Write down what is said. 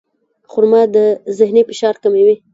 خرما د ذهني فشار کموي.